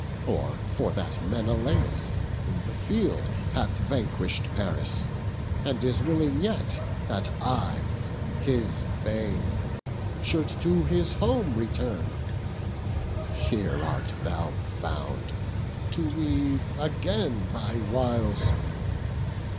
Or, for that Menelaus in the field Hath vanquish'd Paris, and is willing yet That I, his bane, should to his home return; Here art thou found, to weave again thy wiles!